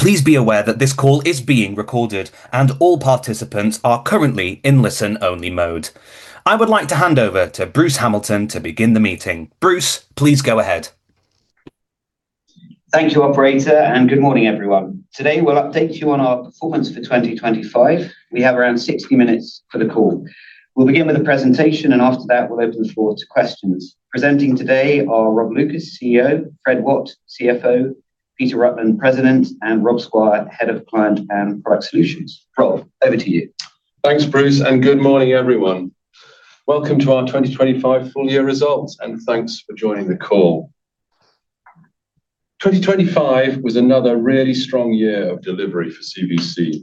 Please be aware that this call is being recorded and all participants are currently in listen-only mode. I would like to hand over to Bruce Hamilton to begin the meeting. Bruce, please go ahead. Thank you, Operator, and good morning, everyone. Today, we'll update you on our performance for 2025. We have around 60 minutes for the call. We'll begin with a presentation, and after that, we'll open the floor to questions. Presenting today are Rob Lucas, CEO, Fred Watt, CFO, Peter Rutland, President, and Rob Squire, Head of Client and Product Solutions. Rob, over to you. Thanks, Bruce, and good morning, everyone. Welcome to our 2025 full year results. Thanks for joining the call. 2025 was another really strong year of delivery for CVC.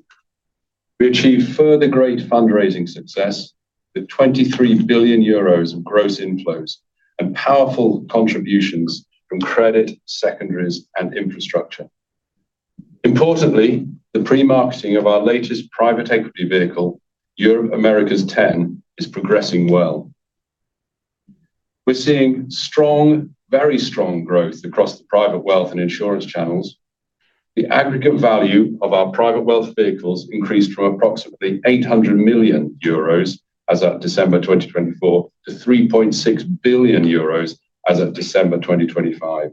We achieved further great fundraising success with 23 billion euros of gross inflows and powerful contributions from credit, secondaries, and infrastructure. Importantly, the pre-marketing of our latest private equity vehicle, Europe/Americas X, is progressing well. We're seeing strong, very strong growth across the private wealth and insurance channels. The aggregate value of our private wealth vehicles increased from approximately 800 million euros as of December 2024 to 3.6 billion euros as of December 2025.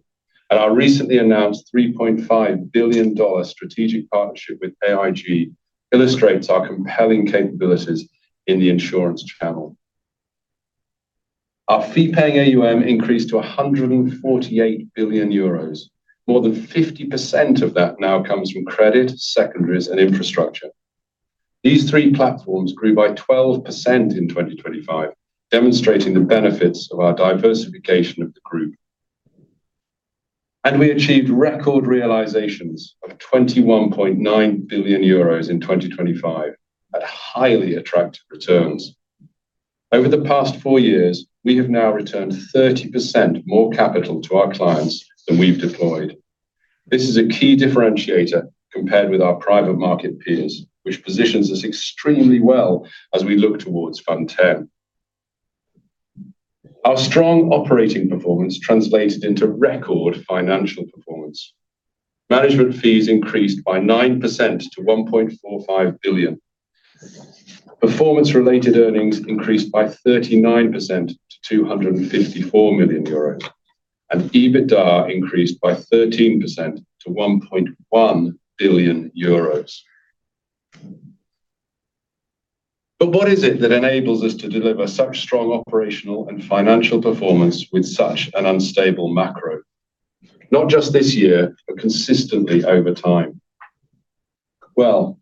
Our recently announced $3.5 billion strategic partnership with AIG illustrates our compelling capabilities in the insurance channel. Our fee-paying AUM increased to 148 billion euros. More than 50% of that now comes from credit, secondaries, and infrastructure. These three platforms grew by 12% in 2025, demonstrating the benefits of our diversification of the group. We achieved record realizations of 21.9 billion euros in 2025 at highly attractive returns. Over the past four years, we have now returned 30% more capital to our clients than we've deployed. This is a key differentiator compared with our private market peers, which positions us extremely well as we look towards Fund X. Our strong operating performance translated into record financial performance. Management fees increased by 9% to 1.45 billion. Performance-related earnings increased by 39% to 254 million euro. EBITDA increased by 13% to 1.1 billion euros. What is it that enables us to deliver such strong operational and financial performance with such an unstable macro, not just this year, but consistently over time? Well,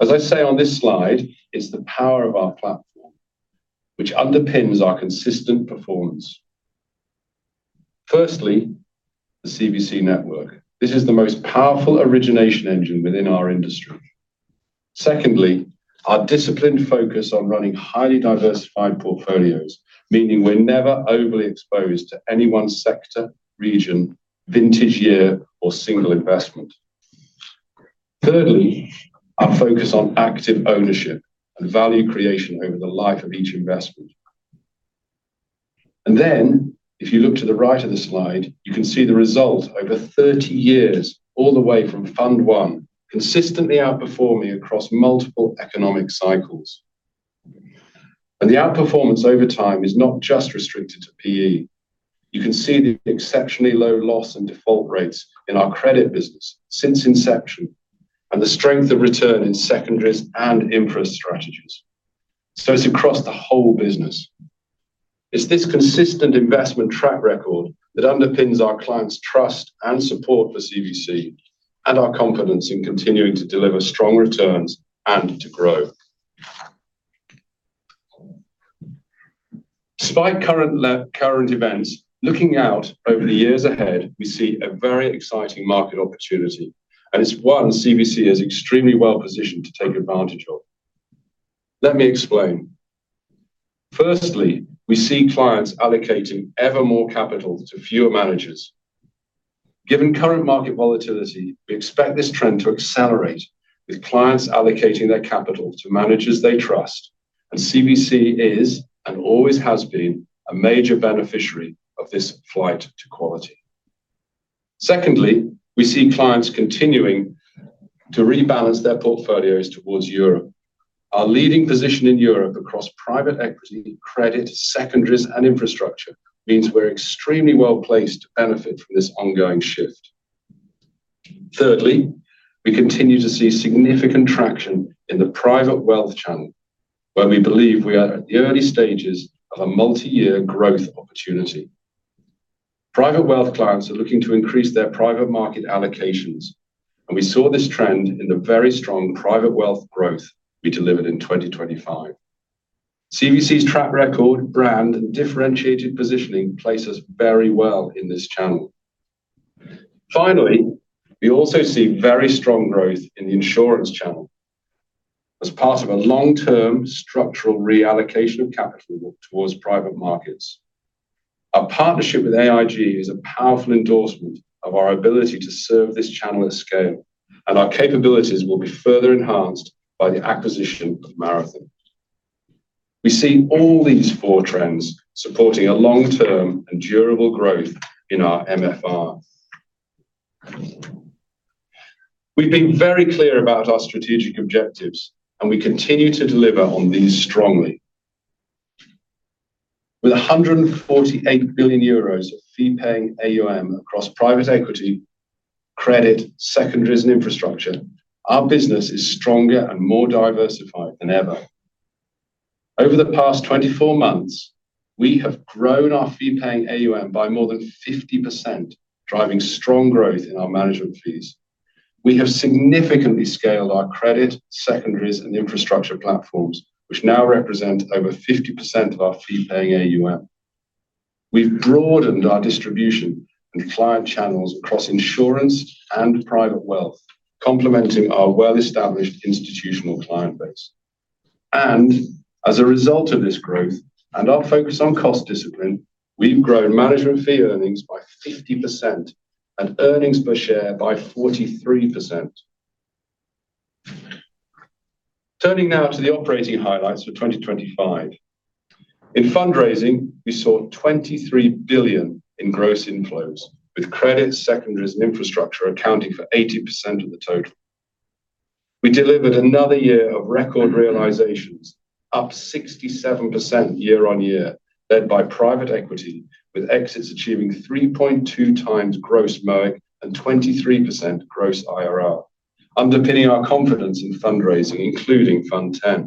as I say on this slide, it's the power of our platform which underpins our consistent performance. Firstly, the CVC network. This is the most powerful origination engine within our industry. Secondly, our disciplined focus on running highly diversified portfolios, meaning we're never overly exposed to any one sector, region, vintage year, or single investment. Thirdly, our focus on active ownership and value creation over the life of each investment. Then if you look to the right of the slide, you can see the result over 30 years, all the way from Fund I, consistently outperforming across multiple economic cycles. The outperformance over time is not just restricted to PE. You can see the exceptionally low loss and default rates in our credit business since inception and the strength of return in secondaries and infra strategies. It's across the whole business. It's this consistent investment track record that underpins our clients' trust and support for CVC and our confidence in continuing to deliver strong returns and to grow. Despite current events, looking out over the years ahead, we see a very exciting market opportunity, and it's one CVC is extremely well-positioned to take advantage of. Let me explain. Firstly, we see clients allocating ever more capital to fewer managers. Given current market volatility, we expect this trend to accelerate, with clients allocating their capital to managers they trust, and CVC is and always has been a major beneficiary of this flight to quality. Secondly, we see clients continuing to rebalance their portfolios towards Europe. Our leading position in Europe across private equity, credit, secondaries and infrastructure means we're extremely well-placed to benefit from this ongoing shift. Thirdly, we continue to see significant traction in the private wealth channel, where we believe we are at the early stages of a multi-year growth opportunity. Private wealth clients are looking to increase their private market allocations, and we saw this trend in the very strong private wealth growth we delivered in 2025. CVC's track record, brand, and differentiated positioning place us very well in this channel. Finally, we also see very strong growth in the insurance channel as part of a long-term structural reallocation of capital towards private markets. Our partnership with AIG is a powerful endorsement of our ability to serve this channel at scale, and our capabilities will be further enhanced by the acquisition of Marathon. We see all these four trends supporting a long-term and durable growth in our MFR. We've been very clear about our strategic objectives, and we continue to deliver on these strongly. With 148 billion euros of fee-paying AUM across private equity, credit, secondaries, and infrastructure, our business is stronger and more diversified than ever. Over the past 24 months, we have grown our fee-paying AUM by more than 50%, driving strong growth in our management fees. We have significantly scaled our credit, secondaries, and infrastructure platforms, which now represent over 50% of our fee-paying AUM. We've broadened our distribution and client channels across insurance and private wealth, complementing our well-established institutional client base. As a result of this growth and our focus on cost discipline, we've grown management fee earnings by 50% and earnings per share by 43%. Turning now to the operating highlights for 2025. In fundraising, we saw 23 billion in gross inflows, with credit, secondaries, and infrastructure accounting for 80% of the total. We delivered another year of record realizations, up 67% year-on-year, led by private equity, with exits achieving 3.2x gross MOIC and 23% gross IRR, underpinning our confidence in fundraising, including Fund X.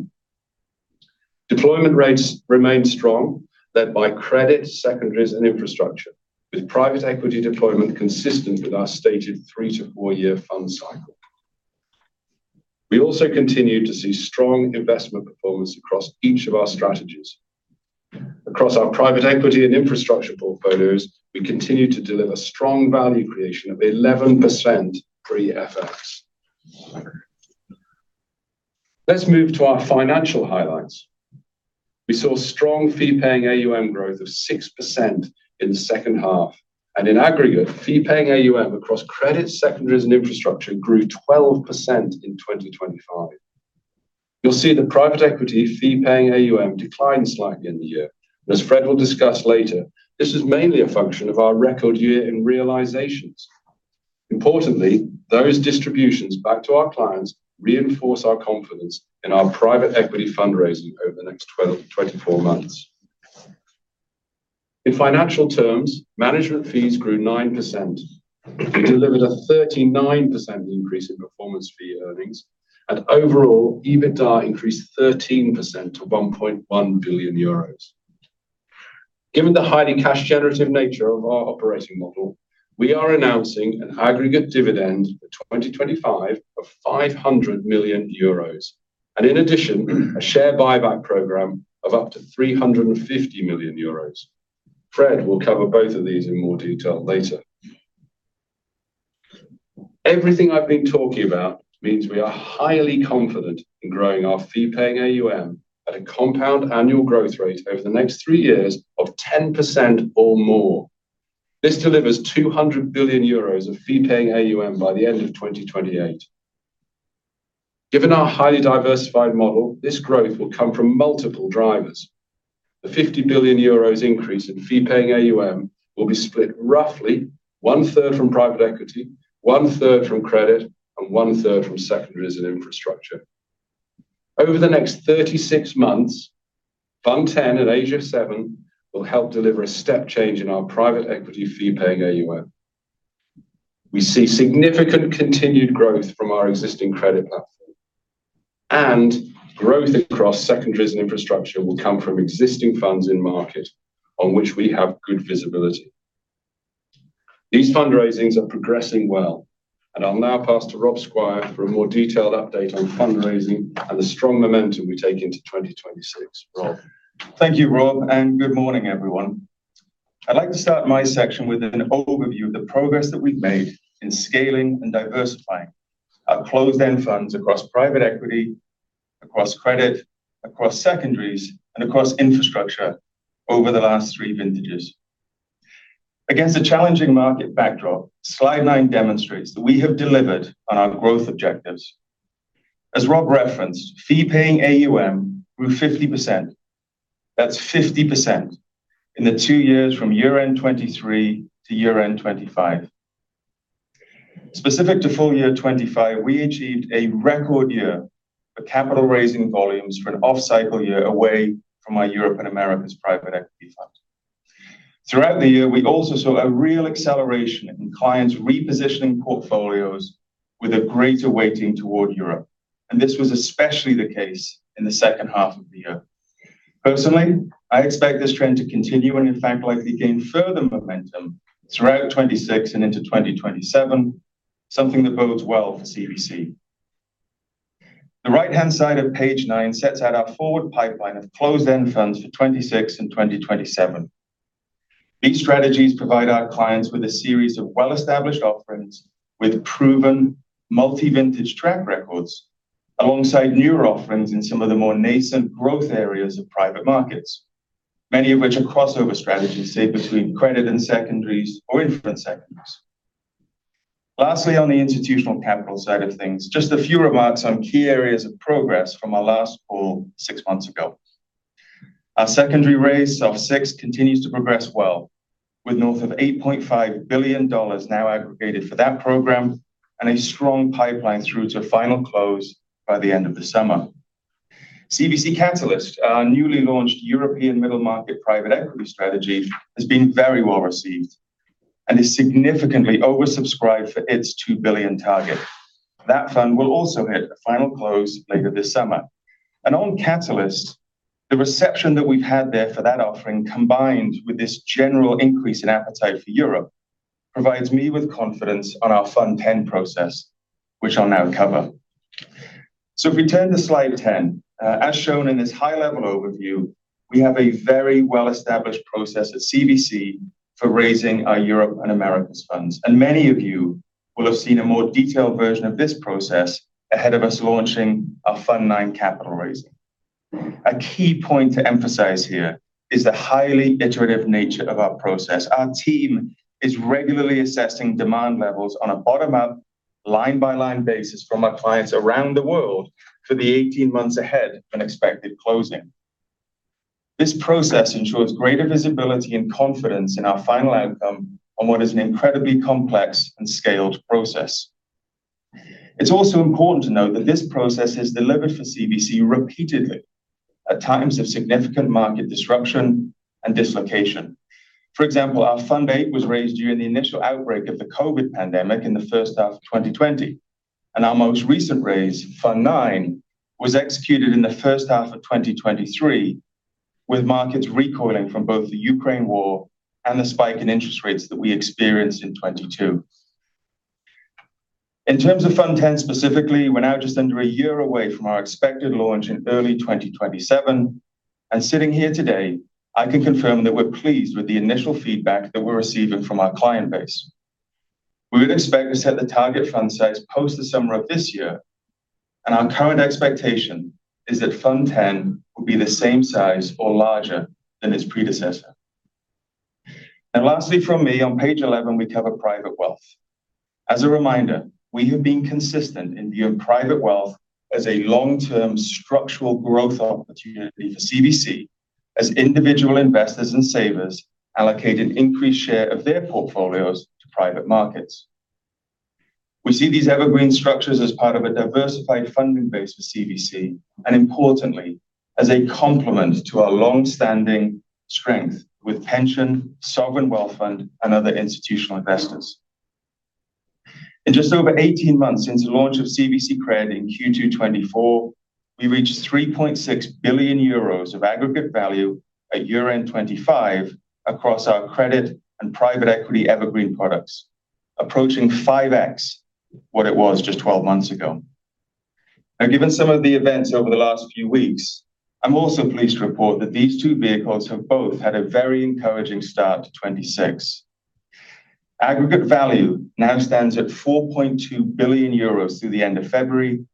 Deployment rates remain strong, led by credit, secondaries, and infrastructure, with private equity deployment consistent with our stated three to four year fund cycle. We also continue to see strong investment performance across each of our strategies. Across our private equity and infrastructure portfolios, we continue to deliver strong value creation of 11% pre-FX. Let's move to our financial highlights. We saw strong Fee-paying AUM growth of 6% in the second half. In aggregate, Fee-paying AUM across Credit, Secondaries, and Infrastructure grew 12% in 2025. You'll see the Private equity Fee-paying AUM declined slightly in the year. As Fred will discuss later, this is mainly a function of our record year in realizations. Importantly, those distributions back to our clients reinforce our confidence in our Private equity fundraising over the next 12-24 months. In financial terms, management fees grew 9%. We delivered a 39% increase in performance fee earnings, and overall, EBITDA increased 13% to 1.1 billion euros. Given the highly cash generative nature of our operating model, we are announcing an aggregate dividend for 2025 of 500 million euros and, in addition, a share buyback program of up to 350 million euros. Fred will cover both of these in more detail later. Everything I've been talking about means we are highly confident in growing our Fee-paying AUM at a compound annual growth rate over the next three years of 10% or more. This delivers 200 billion euros of Fee-paying AUM by the end of 2028. Given our highly diversified model, this growth will come from multiple drivers. The 50 billion euros increase in Fee-paying AUM will be split roughly 1/3 from private equity, 1/3 from credit, and 1/3 from secondaries and infrastructure. Over the next 36 months, Fund X and Asia Fund VII will help deliver a step change in our private equity fee-paying AUM. We see significant continued growth from our existing credit platform, and growth across secondaries and infrastructure will come from existing funds in market on which we have good visibility. These fundraisings are progressing well, and I'll now pass to Rob Squire for a more detailed update on fundraising and the strong momentum we take into 2026. Rob. Thank you, Rob, and good morning, everyone. I'd like to start my section with an overview of the progress that we've made in scaling and diversifying our closed-end funds across private equity, across credit, across secondaries, and across infrastructure over the last three vintages. Against a challenging market backdrop, slide nine demonstrates that we have delivered on our growth objectives. As Rob referenced, fee-paying AUM grew 50%. That's 50% in the two years from year-end 2023 to year-end 2025. Specific to full year 2025, we achieved a record year for capital raising volumes for an off-cycle year away from our Europe and Americas private equity fund. Throughout the year, we also saw a real acceleration in clients repositioning portfolios with a greater weighting toward Europe, and this was especially the case in the second half of the year. Personally, I expect this trend to continue and, in fact, likely gain further momentum throughout 2026 and into 2027, something that bodes well for CVC. The right-hand side of page nine sets out our forward pipeline of closed-end funds for 2026 and 2027. These strategies provide our clients with a series of well-established offerings with proven multi-vintage track records alongside newer offerings in some of the more nascent growth areas of private markets, many of which are crossover strategies, say, between credit and secondaries or infra and secondaries. Lastly, on the institutional capital side of things, just a few remarks on key areas of progress from our last call six months ago. Our secondary raise of six continues to progress well, with north of $8.5 billion now aggregated for that program and a strong pipeline through to final close by the end of the summer. CVC Catalyst, our newly launched European mid-market private equity strategy, has been very well received and is significantly oversubscribed for its $2 billion target. That fund will also hit a final close later this summer. On Catalyst, the reception that we've had there for that offering, combined with this general increase in appetite for Europe, provides me with confidence on our Fund X process, which I'll now cover. If we turn to slide 10, as shown in this high-level overview, we have a very well-established process at CVC for raising our Europe and Americas funds. Many of you will have seen a more detailed version of this process ahead of us launching our Fund IX capital raising. A key point to emphasize here is the highly iterative nature of our process. Our team is regularly assessing demand levels on a bottom-up, line-by-line basis from our clients around the world for the 18 months ahead of an expected closing. This process ensures greater visibility and confidence in our final outcome on what is an incredibly complex and scaled process. It's also important to note that this process has delivered for CVC repeatedly at times of significant market disruption and dislocation. For example, our Fund VIII was raised during the initial outbreak of the COVID pandemic in the first half of 2020, and our most recent raise, Fund IX, was executed in the first half of 2023, with markets recoiling from both the Ukraine war and the spike in interest rates that we experienced in 2022. In terms of Fund X specifically, we're now just under a year away from our expected launch in early 2027. Sitting here today, I can confirm that we're pleased with the initial feedback that we're receiving from our client base. We would expect to set the target fund size post the summer of this year, and our current expectation is that Fund X will be the same size or larger than its predecessor. Lastly from me, on page 11, we cover private wealth. As a reminder, we have been consistent in viewing private wealth as a long-term structural growth opportunity for CVC as individual investors and savers allocate an increased share of their portfolios to private markets. We see these evergreen structures as part of a diversified funding base for CVC, and importantly, as a complement to our long-standing strength with pension, sovereign wealth fund, and other institutional investors. In just over 18 months since the launch of CVC Credit in Q2 2024, we reached 3.6 billion euros of aggregate value at year-end 2025 across our credit and private equity evergreen products, approaching 5x what it was just 12 months ago. Now, given some of the events over the last few weeks, I'm also pleased to report that these two vehicles have both had a very encouraging start to 2026. Aggregate value now stands at 4.2 billion euros through the end of February,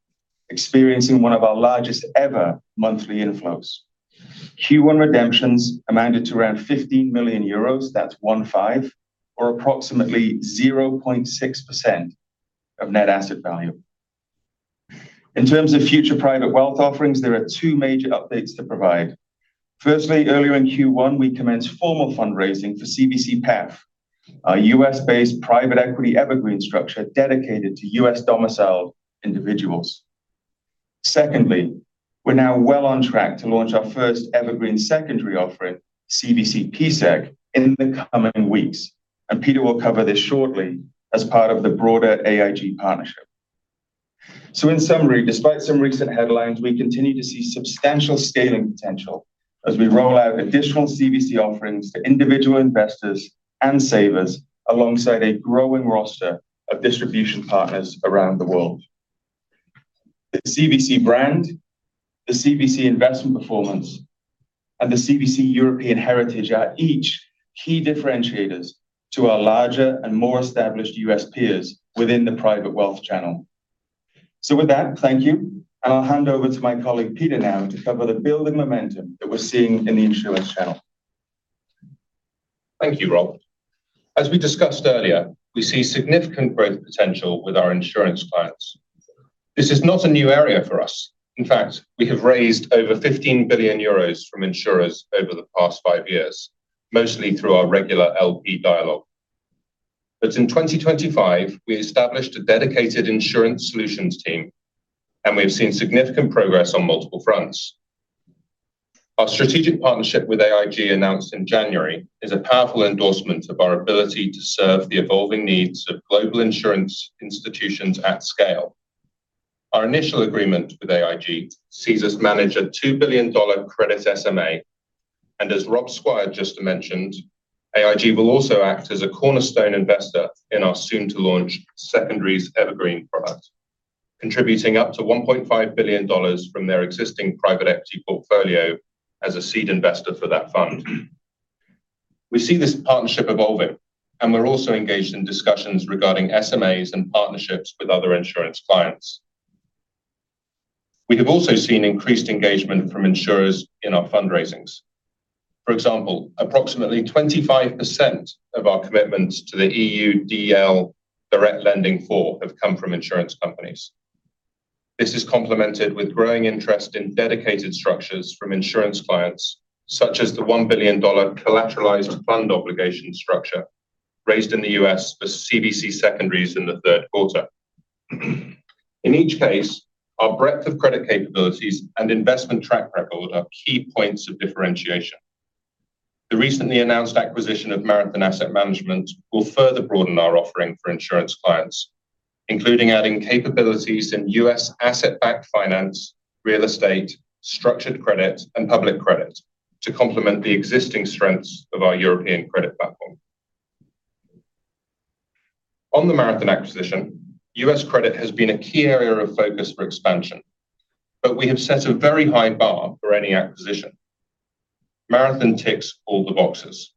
experiencing one of our largest ever monthly inflows. Q1 redemptions amounted to around 15 million euros, that's 15, or approximately 0.6% of net asset value. In terms of future private wealth offerings, there are two major updates to provide. Firstly, earlier in Q1, we commenced formal fundraising for CVC-PE, our U.S.-based private equity evergreen structure dedicated to U.S.-domiciled individuals. Secondly, we're now well on track to launch our first evergreen secondary offering, CVC PSEC, in the coming weeks, and Peter will cover this shortly as part of the broader AIG partnership. In summary, despite some recent headlines, we continue to see substantial scaling potential as we roll out additional CVC offerings to individual investors and savers alongside a growing roster of distribution partners around the world. The CVC brand, the CVC investment performance, and the CVC European heritage are each key differentiators to our larger and more established U.S. peers within the private wealth channel. With that, thank you, and I'll hand over to my colleague Peter now to cover the building momentum that we're seeing in the insurance channel. Thank you, Rob. As we discussed earlier, we see significant growth potential with our insurance clients. This is not a new area for us. In fact, we have raised over 15 billion euros from insurers over the past five years, mostly through our regular LP dialogue. In 2025, we established a dedicated insurance solutions team, and we have seen significant progress on multiple fronts. Our strategic partnership with AIG, announced in January, is a powerful endorsement of our ability to serve the evolving needs of global insurance institutions at scale. Our initial agreement with AIG sees us manage a $2 billion credit SMA. As Rob Squire just mentioned, AIG will also act as a cornerstone investor in our soon-to-launch secondaries evergreen product, contributing up to $1.5 billion from their existing private equity portfolio as a seed investor for that fund. We see this partnership evolving, and we're also engaged in discussions regarding SMAs and partnerships with other insurance clients. We have also seen increased engagement from insurers in our fundraisings. For example, approximately 25% of our commitments to the European Direct Lending IV have come from insurance companies. This is complemented with growing interest in dedicated structures from insurance clients, such as the $1 billion collateralized fund obligation structure raised in the U.S. for CVC secondaries in the third quarter. In each case, our breadth of credit capabilities and investment track record are key points of differentiation. The recently announced acquisition of Marathon Asset Management will further broaden our offering for insurance clients, including adding capabilities in U.S. asset-backed finance, real estate, structured credit, and public credit to complement the existing strengths of our European credit platform. On the Marathon acquisition, U.S. credit has been a key area of focus for expansion, but we have set a very high bar for any acquisition. Marathon ticks all the boxes.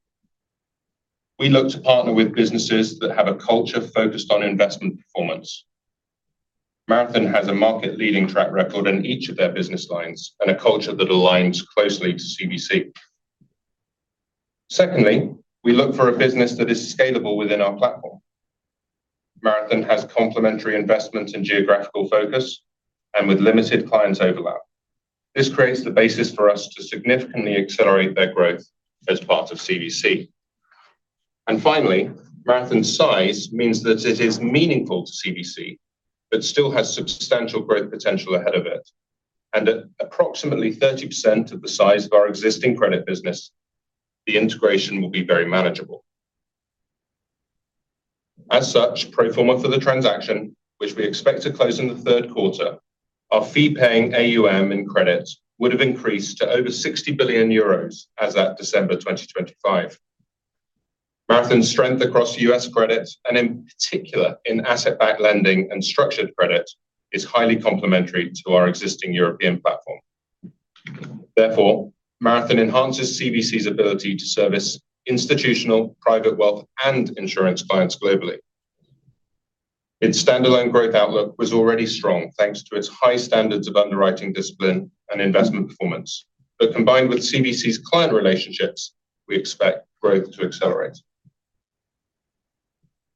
We look to partner with businesses that have a culture focused on investment performance. Marathon has a market-leading track record in each of their business lines and a culture that aligns closely to CVC. Secondly, we look for a business that is scalable within our platform. Marathon has complementary investments in geographical focus and with limited client overlap. This creates the basis for us to significantly accelerate their growth as part of CVC. Finally, Marathon's size means that it is meaningful to CVC, but still has substantial growth potential ahead of it. At approximately 30% of the size of our existing credit business, the integration will be very manageable. As such, pro forma for the transaction, which we expect to close in the third quarter, our fee-paying AUM in credits would have increased to over 60 billion euros as at December 2025. Marathon's strength across U.S. credits, and in particular in asset-backed lending and structured credit, is highly complementary to our existing European platform. Therefore, Marathon enhances CVC's ability to service institutional, private wealth, and insurance clients globally. Its standalone growth outlook was already strong, thanks to its high standards of underwriting discipline and investment performance. But combined with CVC's client relationships, we expect growth to accelerate.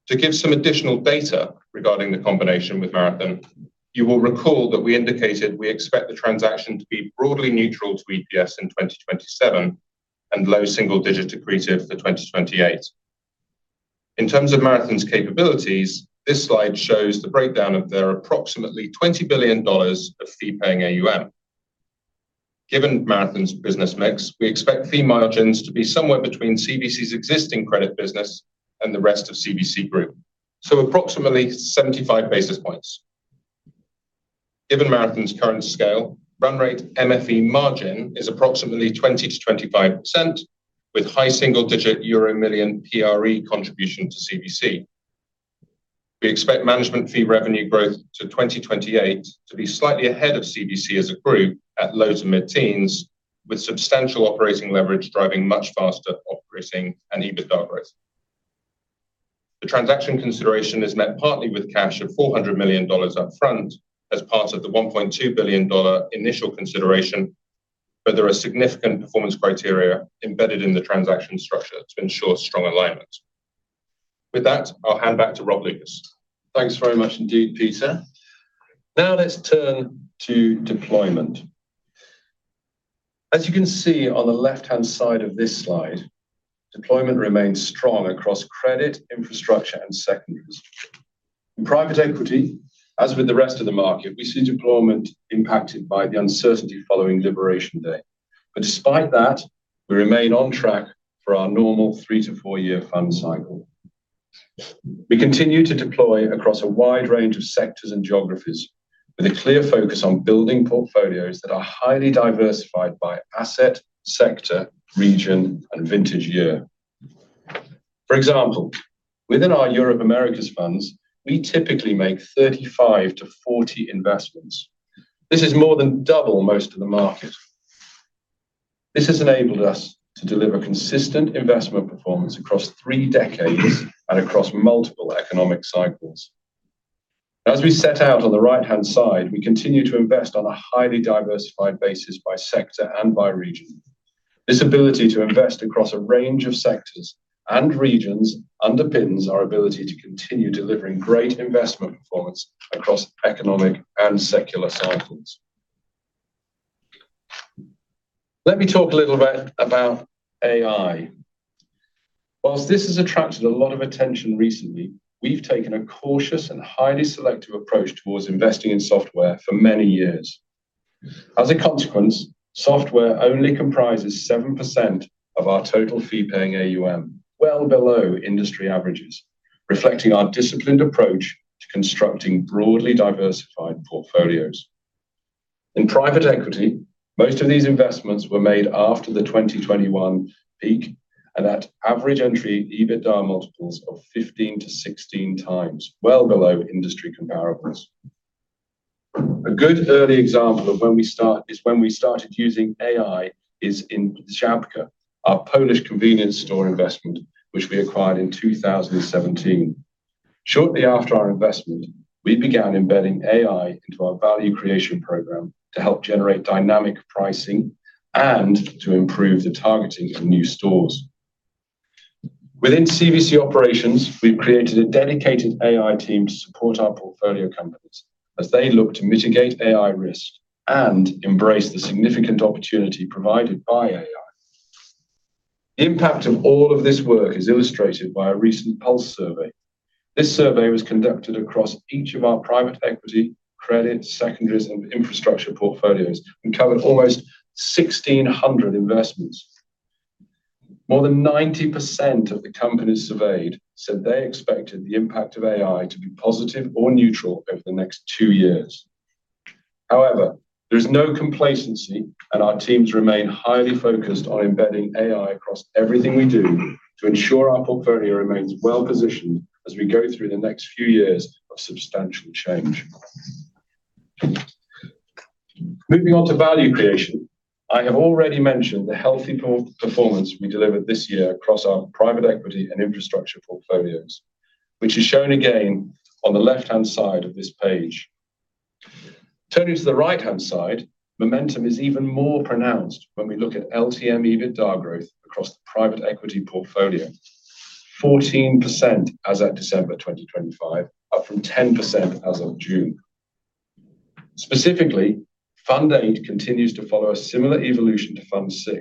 To give some additional data regarding the combination with Marathon, you will recall that we indicated we expect the transaction to be broadly neutral to EPS in 2027 and low single-digit accretive for 2028. In terms of Marathon's capabilities, this slide shows the breakdown of their approximately $20 billion of fee-paying AUM. Given Marathon's business mix, we expect fee margins to be somewhere between CVC's existing credit business and the rest of CVC group, so approximately 75 basis points. Given Marathon's current scale, run rate MFE margin is approximately 20%-25%, with high single-digit euro million PRE contribution to CVC. We expect management fee revenue growth to 2028 to be slightly ahead of CVC as a group at low-to-mid-teens%, with substantial operating leverage driving much faster operating and EBITDA growth. The transaction consideration is met partly with cash of $400 million up front as part of the $1.2 billion initial consideration, but there are significant performance criteria embedded in the transaction structure to ensure strong alignment. With that, I'll hand back to Rob Lucas. Thanks very much indeed, Peter. Now let's turn to deployment. As you can see on the left-hand side of this slide, deployment remains strong across credit, infrastructure, and secondaries. In private equity, as with the rest of the market, we see deployment impacted by the uncertainty following Election Day. Despite that, we remain on track for our normal three to four year fund cycle. We continue to deploy across a wide range of sectors and geographies with a clear focus on building portfolios that are highly diversified by asset, sector, region, and vintage year. For example, within our Europe/Americas funds, we typically make 35-40 investments. This is more than double most of the market. This has enabled us to deliver consistent investment performance across three decades and across multiple economic cycles. As we set out on the right-hand side, we continue to invest on a highly diversified basis by sector and by region. This ability to invest across a range of sectors and regions underpins our ability to continue delivering great investment performance across economic and secular cycles. Let me talk a little bit about AI. While this has attracted a lot of attention recently, we've taken a cautious and highly selective approach towards investing in software for many years. As a consequence, software only comprises 7% of our total fee-paying AUM, well below industry averages, reflecting our disciplined approach to constructing broadly diversified portfolios. In private equity, most of these investments were made after the 2021 peak and at average entry EBITDA multiples of 15x-16x, well below industry comparables. A good early example of when we started using AI is in Żabka, our Polish convenience store investment, which we acquired in 2017. Shortly after our investment, we began embedding AI into our value creation program to help generate dynamic pricing and to improve the targeting of new stores. Within CVC operations, we've created a dedicated AI team to support our portfolio companies as they look to mitigate AI risk and embrace the significant opportunity provided by AI. The impact of all of this work is illustrated by a recent pulse survey. This survey was conducted across each of our private equity, credit, secondaries, and infrastructure portfolios, and covered almost 1,600 investments. More than 90% of the companies surveyed said they expected the impact of AI to be positive or neutral over the next two years. However, there is no complacency, and our teams remain highly focused on embedding AI across everything we do to ensure our portfolio remains well-positioned as we go through the next few years of substantial change. Moving on to value creation, I have already mentioned the healthy performance we delivered this year across our private equity and infrastructure portfolios, which is shown again on the left-hand side of this page. Turning to the right-hand side, momentum is even more pronounced when we look at LTM EBITDA growth across the private equity portfolio. 14% as at December 2025, up from 10% as of June. Specifically, Fund VIII continues to follow a similar evolution to Fund VI,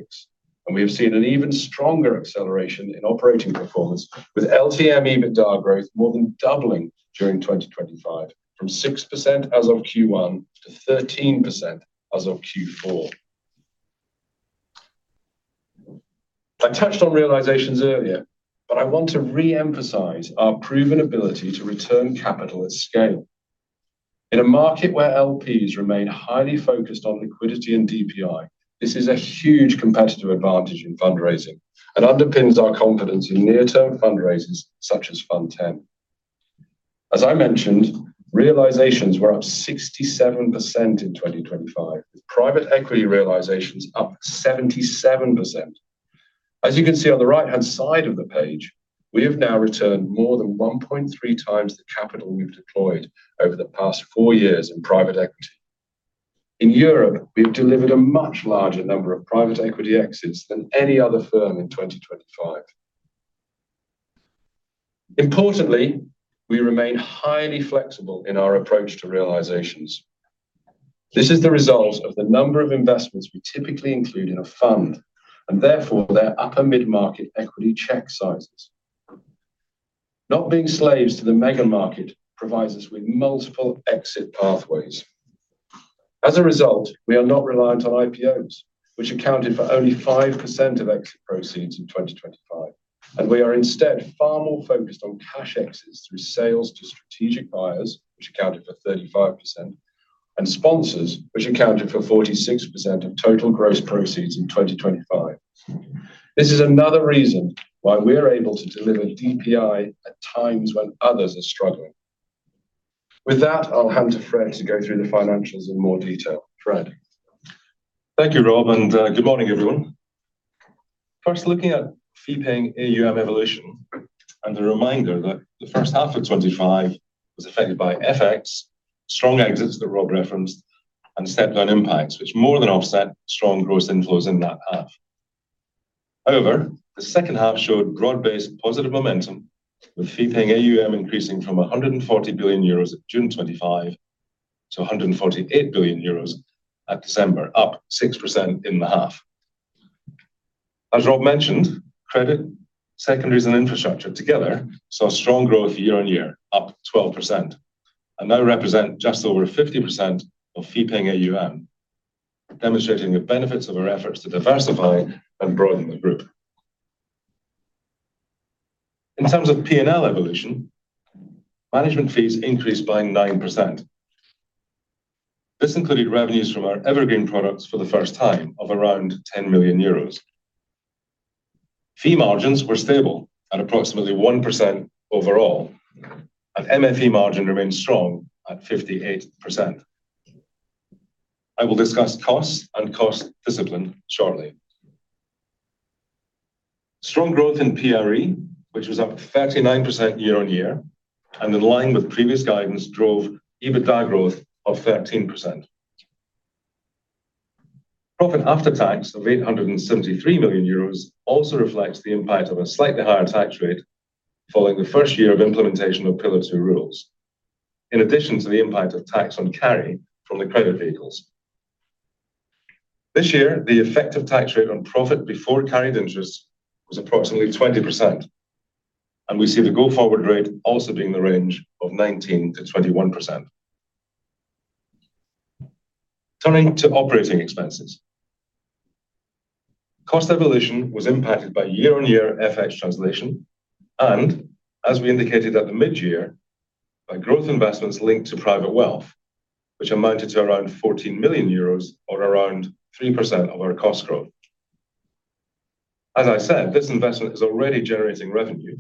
and we have seen an even stronger acceleration in operating performance, with LTM EBITDA growth more than doubling during 2025 from 6% as of Q1 to 13% as of Q4. I touched on realizations earlier, but I want to re-emphasize our proven ability to return capital at scale. In a market where LPs remain highly focused on liquidity and DPI, this is a huge competitive advantage in fundraising and underpins our confidence in near-term fundraisers such as Fund X. As I mentioned, realizations were up 67% in 2025, with private equity realizations up 77%. As you can see on the right-hand side of the page, we have now returned more than 1.3x the capital we've deployed over the past four years in private equity. In Europe, we've delivered a much larger number of private equity exits than any other firm in 2025. Importantly, we remain highly flexible in our approach to realizations. This is the result of the number of investments we typically include in a fund, and therefore their upper mid-market equity check sizes. Not being slaves to the mega market provides us with multiple exit pathways. As a result, we are not reliant on IPOs, which accounted for only 5% of exit proceeds in 2025, and we are instead far more focused on cash exits through sales to strategic buyers, which accounted for 35%, and sponsors, which accounted for 46% of total gross proceeds in 2025. This is another reason why we're able to deliver DPI at times when others are struggling. With that, I'll hand to Fred to go through the financials in more detail. Fred. Thank you, Rob, and good morning, everyone. First, looking at fee-paying AUM evolution, and a reminder that the first half of 2025 was affected by FX, strong exits that Rob referenced, and step-down impacts, which more than offset strong gross inflows in that half. However, the second half showed broad-based positive momentum, with fee-paying AUM increasing from 140 billion euros at June 2025 to 148 billion euros at December 2025, up 6% in the half. As Rob mentioned, credit, secondaries, and infrastructure together saw strong growth year-on-year, up 12%, and now represent just over 50% of fee-paying AUM, demonstrating the benefits of our efforts to diversify and broaden the group. In terms of P&L evolution, management fees increased by 9%. This included revenues from our evergreen products for the first time of around 10 million euros. Fee margins were stable at approximately 1% overall, and MFE margin remains strong at 58%. I will discuss costs and cost discipline shortly. Strong growth in PRE, which was up 39% year-over-year and in line with previous guidance, drove EBITDA growth of 13%. Profit after tax of 873 million euros also reflects the impact of a slightly higher tax rate following the first year of implementation of Pillar Two rules, in addition to the impact of tax on carry from the credit vehicles. This year, the effective tax rate on profit before carried interest was approximately 20%, and we see the go-forward rate also being in the range of 19%-21%. Turning to operating expenses. Cost evolution was impacted by year-on-year FX translation and, as we indicated at the mid-year, by growth investments linked to private wealth, which amounted to around 14 million euros, or around 3% of our cost growth. As I said, this investment is already generating revenue,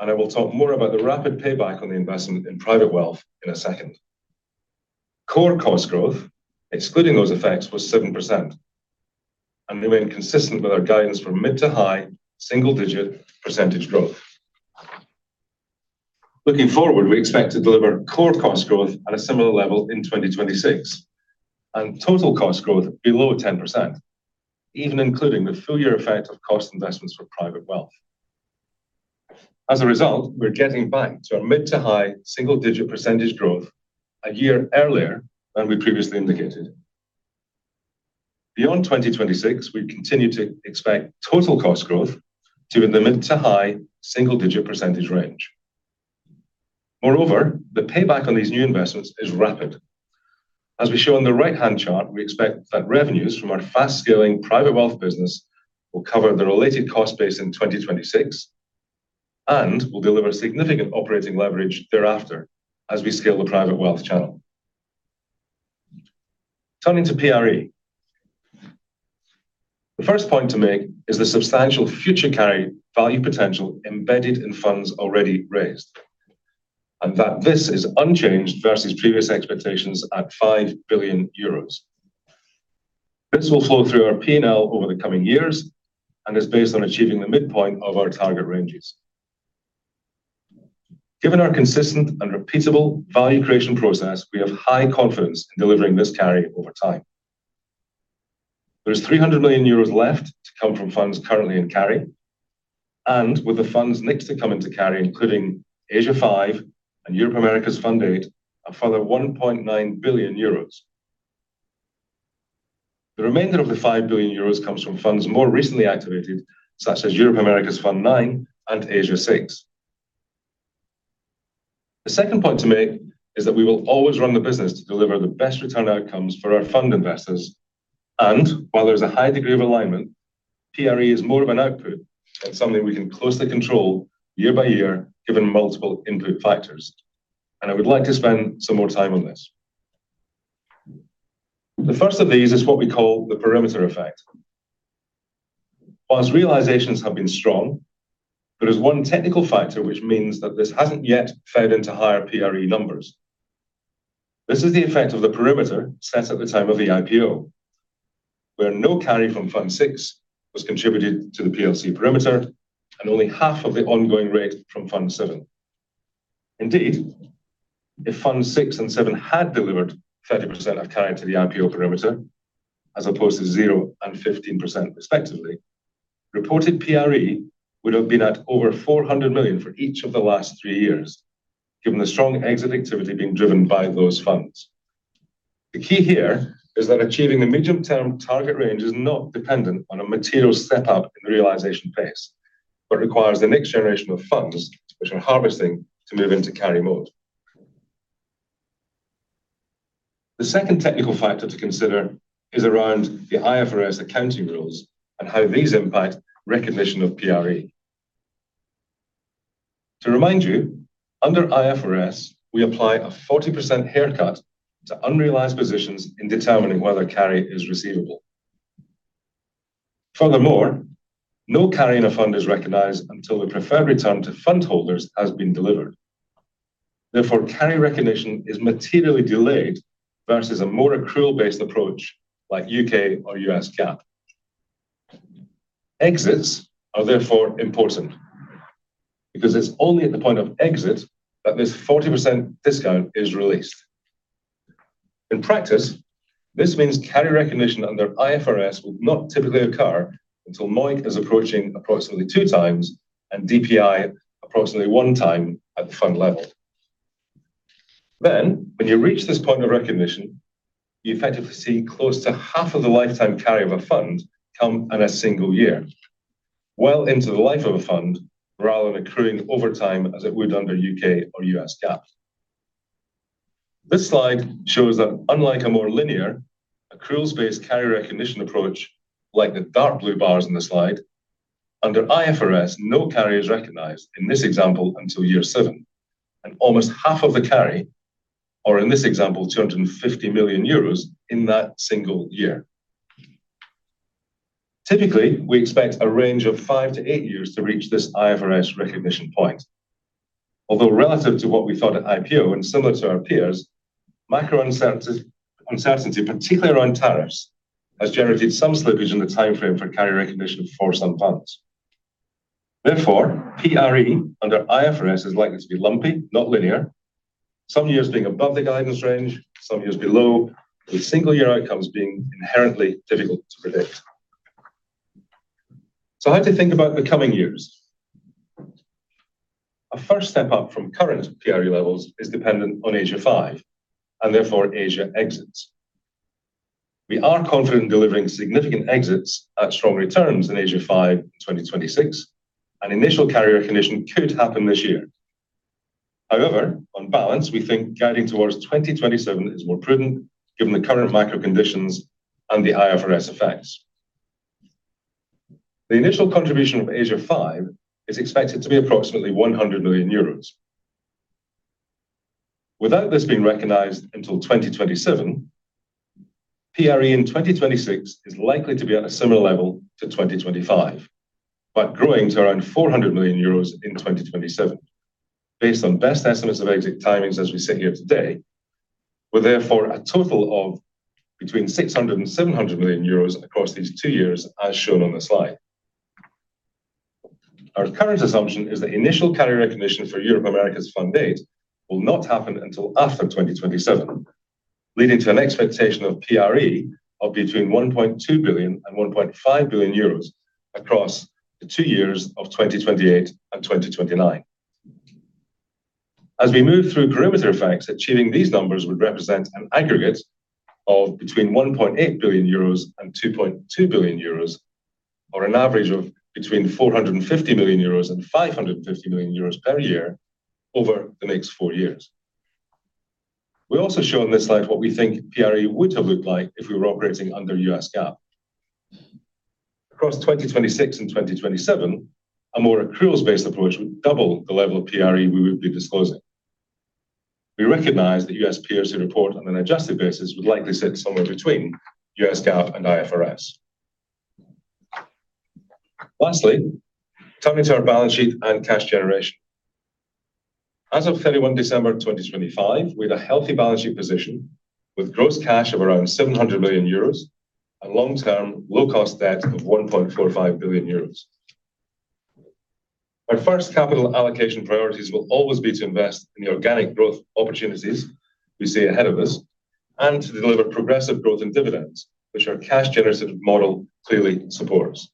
and I will talk more about the rapid payback on the investment in private wealth in a second. Core cost growth, excluding those effects, was 7%, and we remain consistent with our guidance for mid- to high-single-digit % growth. Looking forward, we expect to deliver core cost growth at a similar level in 2026, and total cost growth below 10%, even including the full year effect of cost investments for private wealth. As a result, we're getting back to our mid- to high-single-digit % growth a year earlier than we previously indicated. Beyond 2026, we continue to expect total cost growth to be in the mid- to high-single-digit % range. Moreover, the payback on these new investments is rapid. As we show on the right-hand chart, we expect that revenues from our fast-scaling private wealth business will cover the related cost base in 2026 and will deliver significant operating leverage thereafter as we scale the private wealth channel. Turning to PRE. The first point to make is the substantial future carry value potential embedded in funds already raised, and that this is unchanged versus previous expectations at 5 billion euros. This will flow through our P&L over the coming years and is based on achieving the midpoint of our target ranges. Given our consistent and repeatable value creation process, we have high confidence in delivering this carry over time. There's 300 million euros left to come from funds currently in carry, and with the funds next to come into carry, including Asia Fund V and Europe/Americas Fund VIII, a further 1.9 billion euros. The remainder of the 5 billion euros comes from funds more recently activated, such as Europe/Americas Fund IX and Asia Fund VI. The second point to make is that we will always run the business to deliver the best return outcomes for our fund investors. While there's a high degree of alignment, PRE is more of an output than something we can closely control year by year, given multiple input factors. I would like to spend some more time on this. The first of these is what we call the perimeter effect. While realizations have been strong, there is one technical factor which means that this hasn't yet fed into higher PRE numbers. This is the effect of the perimeter set at the time of the IPO, where no carry from Fund VI was contributed to the PLC perimeter and only half of the ongoing rate from Fund VII. Indeed, if Fund VI and VII had delivered 30% of carry to the IPO perimeter, as opposed to 0% and 15% respectively, reported PRE would have been at over 400 million for each of the last three years, given the strong exit activity being driven by those funds. The key here is that achieving the medium-term target range is not dependent on a material step-up in realization pace, but requires the next generation of funds which are harvesting to move into carry mode. The second technical factor to consider is around the IFRS accounting rules and how these impact recognition of PRE. To remind you, under IFRS, we apply a 40% haircut to unrealized positions in determining whether carry is receivable. Furthermore, no carry in a fund is recognized until the preferred return to fund holders has been delivered. Therefore, carry recognition is materially delayed versus a more accrual-based approach like U.K. or U.S. GAAP. Exits are therefore important because it's only at the point of exit that this 40% discount is released. In practice, this means carry recognition under IFRS will not typically occur until MOIC is approaching approximately 2x and DPI approximately 1x at the fund level. When you reach this point of recognition, you effectively see close to half of the lifetime carry of a fund come in a single year, well into the life of a fund rather than accruing over time as it would under U.K. or U.S. GAAP. This slide shows that unlike a more linear accruals-based carry recognition approach, like the dark blue bars in the slide, under IFRS, no carry is recognized in this example until year seven, and almost half of the carry, or in this example, 250 million euros in that single year. Typically, we expect a range of five to eight years to reach this IFRS recognition point. Although relative to what we thought at IPO and similar to our peers, macro uncertainty, particularly around tariffs, has generated some slippage in the timeframe for carry recognition for some funds. Therefore, PRE under IFRS is likely to be lumpy, not linear. Some years being above the guidance range, some years below, with single year outcomes being inherently difficult to predict. How do you think about the coming years? A first step up from current PRE levels is dependent on Asia V, and therefore Asia exits. We are confident delivering significant exits at strong returns in Asia V in 2026. An initial carry recognition could happen this year. However, on balance, we think guiding towards 2027 is more prudent given the current macro conditions and the IFRS effects. The initial contribution of Asia V is expected to be approximately 100 million euros. Without this being recognized until 2027, PRE in 2026 is likely to be at a similar level to 2025, but growing to around 400 million euros in 2027. Based on best estimates of exit timings as we sit here today, we're therefore at a total of between 600 million euros and 700 million euros across these two years as shown on the slide. Our current assumption is that initial carry recognition for Europe/Americas Fund VIII will not happen until after 2027, leading to an expectation of PRE of between 1.2 billion and 1.5 billion euros across the two years of 2028 and 2029. As we move through perimeter effects, achieving these numbers would represent an aggregate of between 1.8 billion euros and 2.2 billion euros or an average of between 450 million euros and 550 million euros per year over the next four years. We also show on this slide what we think PRE would have looked like if we were operating under U.S. GAAP. Across 2026 and 2027, a more accruals-based approach would double the level of PRE we would be disclosing. We recognize that U.S. peers who report on an adjusted basis would likely sit somewhere between U.S. GAAP and IFRS. Lastly, turning to our balance sheet and cash generation. As of 31 December 2025, we had a healthy balance sheet position with gross cash of around 700 million euros and long-term low-cost debt of 1.45 billion euros. Our first capital allocation priorities will always be to invest in the organic growth opportunities we see ahead of us and to deliver progressive growth in dividends, which our cash generative model clearly supports.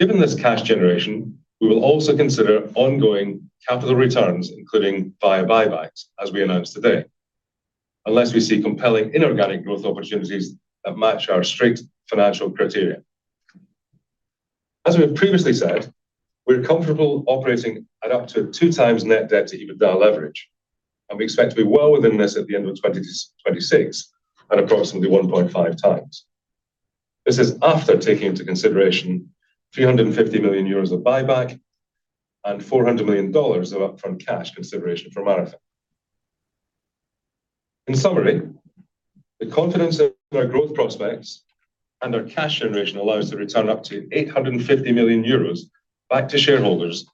Given this cash generation, we will also consider ongoing capital returns, including via buybacks, as we announced today, unless we see compelling inorganic growth opportunities that match our strict financial criteria. As we have previously said, we're comfortable operating at up to two times net debt-to-EBITDA leverage, and we expect to be well within this at the end of 2026 at approximately 1.5x. This is after taking into consideration 350 million euros of buyback and $400 million of upfront cash consideration from Marathon. In summary, the confidence in our growth prospects and our cash generation allows to return up to 850 million euros back to shareholders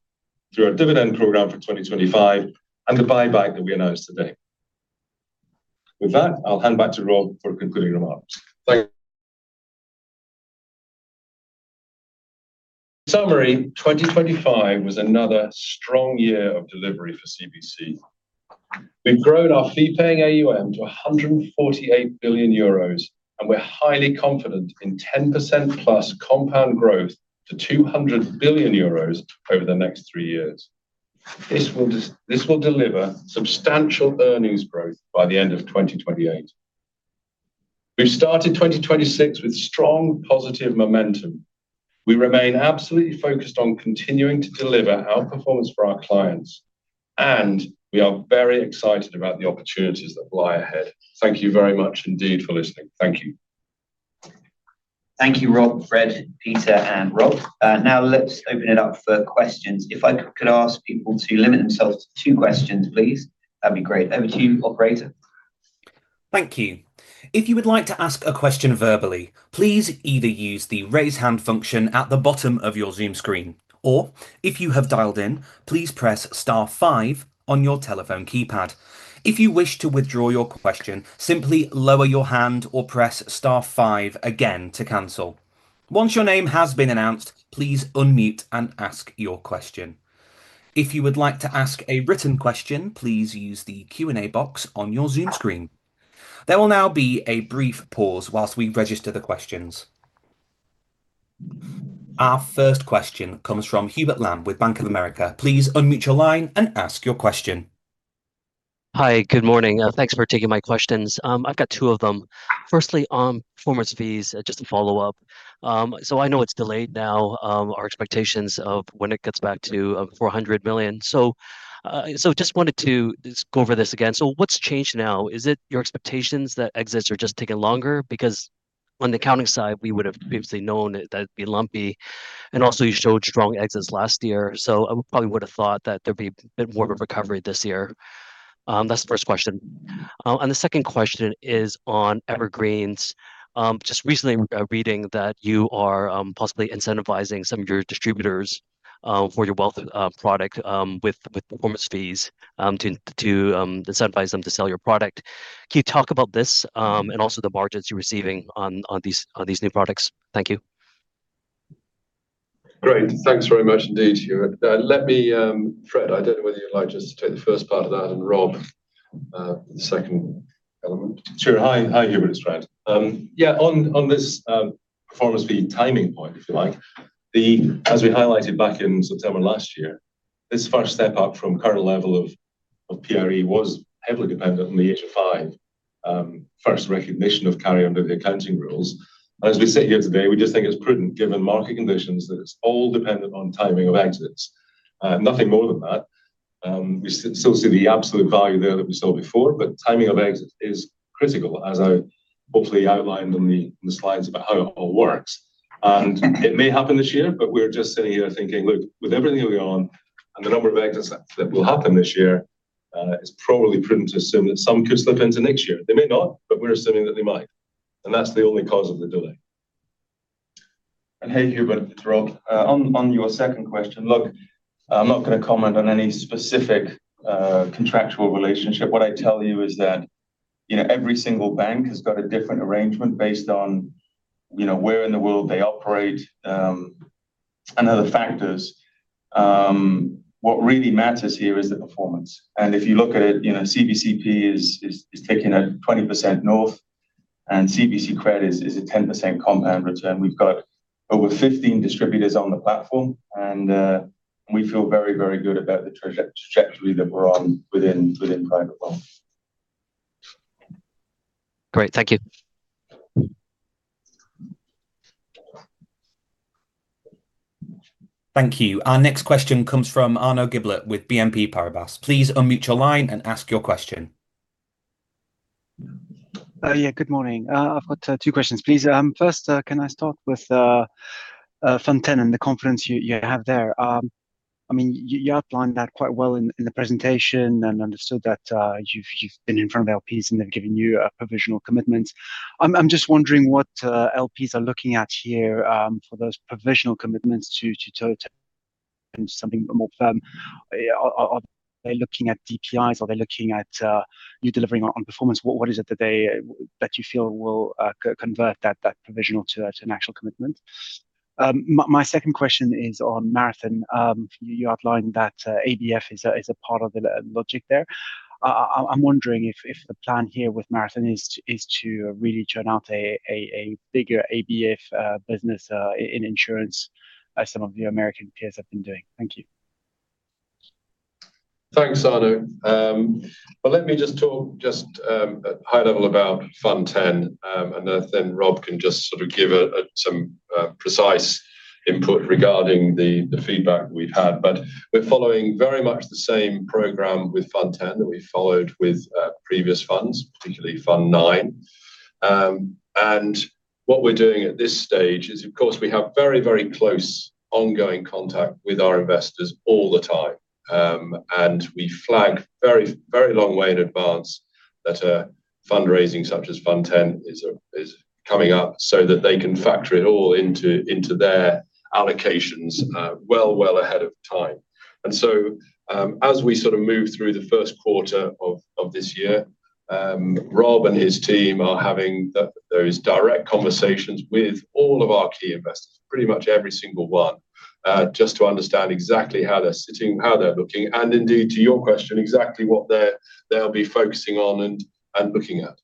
through our dividend program for 2025 and the buyback that we announced today. With that, I'll hand back to Rob for concluding remarks. Thank you. In summary, 2025 was another strong year of delivery for CVC. We've grown our fee-paying AUM to 148 billion euros, and we're highly confident in 10%+ compound growth to 200 billion euros over the next three years. This will deliver substantial earnings growth by the end of 2028. We've started 2026 with strong positive momentum. We remain absolutely focused on continuing to deliver outperformance for our clients, and we are very excited about the opportunities that lie ahead. Thank you very much indeed for listening. Thank you. Thank you, Rob, Fred, Peter, and Rob. Now let's open it up for questions. If I could ask people to limit themselves to two questions, please, that'd be great. Over to you, Operator. Thank you. If you would like to ask a question verbally, please either use the raise hand function at the bottom of your Zoom screen, or if you have dialed in, please press star five on your telephone keypad. If you wish to withdraw your question, simply lower your hand or press star five again to cancel. Once your name has been announced, please unmute and ask your question. If you would like to ask a written question, please use the Q&A box on your Zoom screen. There will now be a brief pause while we register the questions. Our first question comes from Hubert Lam with Bank of America. Please unmute your line and ask your question. Hi. Good morning. Thanks for taking my questions. I've got two of them. Firstly, on performance fees, just to follow up. I know it's delayed now, our expectations of when it gets back to 400 million. Just wanted to go over this again. What's changed now? Is it your expectations that exits are just taking longer? Because on the accounting side, we would have previously known that that'd be lumpy, and also you showed strong exits last year. I probably would have thought that there'd be a bit more of a recovery this year. That's the first question. The second question is on Evergreens. Just recently reading that you are possibly incentivizing some of your distributors for your wealth product with performance fees to incentivize them to sell your product. Can you talk about this, and also the margins you're receiving on these new products? Thank you. Great. Thanks very much indeed, Hubert. Let me, Fred, I don't know whether you'd like just to take the first part of that and Rob, the second element. Sure. Hi. Hi, Hubert. It's Fred. Yeah, on this performance fee timing point, if you like, as we highlighted back in September last year, this first step up from current level of PRE was heavily dependent on the Asia Fund V first recognition of carry under the accounting rules. As we sit here today, we just think it's prudent given market conditions that it's all dependent on timing of exits. Nothing more than that. We still see the absolute value there that we saw before, but timing of exit is critical, as I hopefully outlined on the slides about how it all works. It may happen this year, but we're just sitting here thinking, look, with everything that we own. The number of exits that will happen this year is probably prudent to assume that some could slip into next year. They may not, but we're assuming that they might. That's the only cause of the delay. Hey, Hubert, it's Rob. On your second question, look, I'm not gonna comment on any specific contractual relationship. What I tell you is that, you know, every single bank has got a different arrangement based on, you know, where in the world they operate, and other factors. What really matters here is the performance. If you look at it, you know, CVC is taking a 20% north and CVC Credit is a 10% compound return. We've got over 15 distributors on the platform, and we feel very good about the trajectory that we're on within private bank. Great. Thank you. Thank you. Our next question comes from Arnaud Giblat with BNP Paribas. Please unmute your line and ask your question. Yeah, good morning. I've got two questions, please. First, can I start with Fund X and the confidence you have there? I mean, you outlined that quite well in the presentation and understood that, you've been in front of LPs, and they've given you a provisional commitment. I'm just wondering what LPs are looking at here for those provisional commitments to total something more firm. Are they looking at DPIs? Are they looking at you delivering on performance? What is it that they-- that you feel will convert that provisional to an actual commitment? My second question is on Marathon. You outlined that ABF is a part of the logic there. I'm wondering if the plan here with Marathon is to really churn out a bigger ABF business in insurance as some of your American peers have been doing. Thank you. Thanks, Arnaud. Well, let me just talk at high level about Fund X, and then Rob can just sort of give some precise input regarding the feedback we've had. We're following very much the same program with Fund X that we followed with previous funds, particularly Fund IX. What we're doing at this stage is, of course, we have very, very close ongoing contact with our investors all the time. We flag very, very long way in advance that a fundraising such as Fund X is coming up so that they can factor it all into their allocations well ahead of time. As we sort of move through the first quarter of this year, Rob and his team are having those direct conversations with all of our key investors, pretty much every single one, just to understand exactly how they're sitting, how they're looking, and indeed, to your question, exactly what they'll be focusing on and looking at.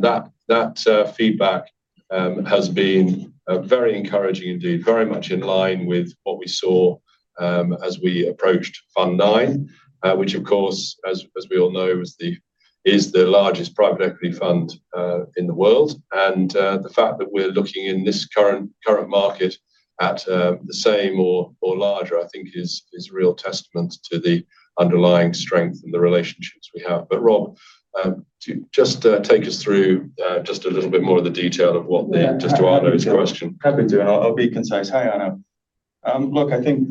That feedback has been very encouraging indeed, very much in line with what we saw as we approached Fund IX, which of course, as we all know, is the largest private equity fund in the world. The fact that we're looking in this current market at the same or larger, I think is real testament to the underlying strength and the relationships we have. Rob, to just take us through just a little bit more of the detail of what the- Yeah. Just to Arnaud's question. Happy to. I'll be concise. Hi, Arnaud. Look, I think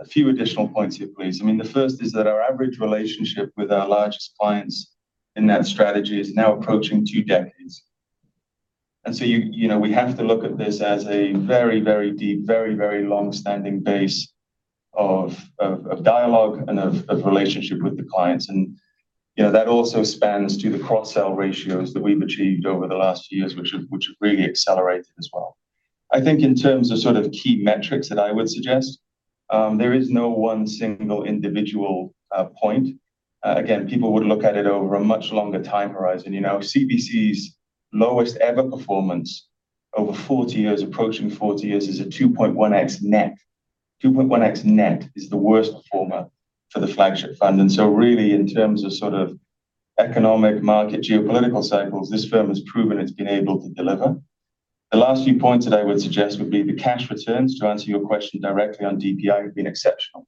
a few additional points here, please. I mean, the first is that our average relationship with our largest clients in that strategy is now approaching two decades. You know, we have to look at this as a very deep, very long-standing base of dialogue and of relationship with the clients. You know, that also spans to the cross-sell ratios that we've achieved over the last years, which have really accelerated as well. I think in terms of sort of key metrics that I would suggest, there is no one single individual point. Again, people would look at it over a much longer time horizon. You know, CVC's lowest ever performance over 40 years, approaching 40 years, is a 2.1x net. 2.1x net is the worst performer for the flagship fund. Really, in terms of sort of economic market geopolitical cycles, this firm has proven it's been able to deliver. The last few points that I would suggest would be the cash returns, to answer your question directly on DPI, have been exceptional.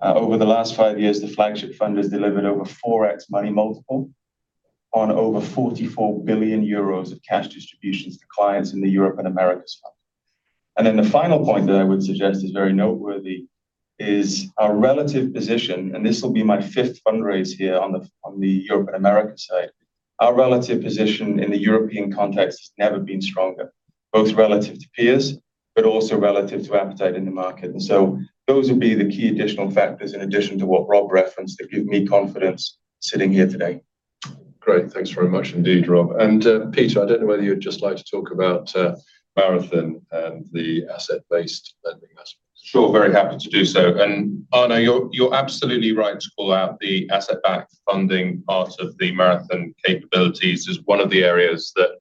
Over the last five years, the flagship fund has delivered over 4x money multiple on over 44 billion euros of cash distributions to clients in the Europe and Americas fund. The final point that I would suggest is very noteworthy is our relative position, and this will be my fifth fundraise here on the Europe and America side. Our relative position in the European context has never been stronger, both relative to peers, but also relative to appetite in the market. Those would be the key additional factors in addition to what Rob referenced that give me confidence sitting here today. Great. Thanks very much indeed, Rob. Peter, I don't know whether you'd just like to talk about Marathon and the asset-based lending aspect. Sure. Very happy to do so. Arnaud, you're absolutely right to call out the asset-backed funding part of the Marathon capabilities as one of the areas that